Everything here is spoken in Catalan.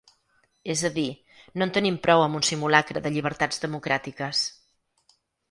És a dir, no en tenim prou amb un simulacre de llibertats democràtiques.